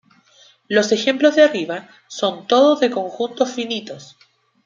Los ejemplos de arriba son todos de conjuntos finitos.